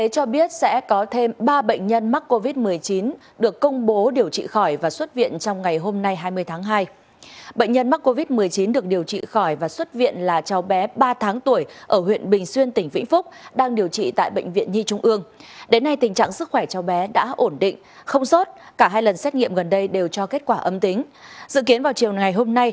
các bạn hãy đăng kí cho kênh lalaschool để không bỏ lỡ những video hấp dẫn